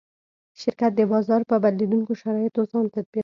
شرکت د بازار په بدلېدونکو شرایطو ځان تطبیقوي.